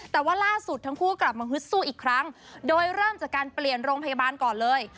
แต่ว่าล่าสุดทั้งคู่กลับมาฮึดสู้อีกครั้งโดยเริ่มจากการเปลี่ยนโรงพยาบาลก่อนเลย